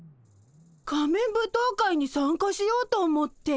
仮面舞踏会に参加しようと思って。